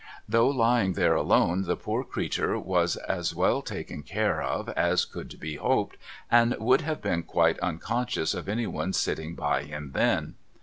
Though lying there alone, the poor creetur was as well taken care of as could be hoped, and would have been quite unconscious of any one's sitting by him then.